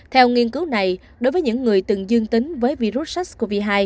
theo nghiên cứu này đối với những người từng dương tính với virus sars cov hai